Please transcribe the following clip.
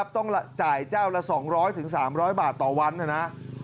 ต้องจ่ายเจ้าละ๒๐๐๓๐๐บาทต่อวันนะนะ